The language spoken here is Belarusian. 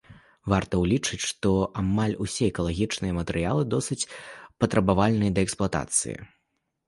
Варта ўлічыць, што амаль усе экалагічныя матэрыялы досыць патрабавальныя да эксплуатацыі.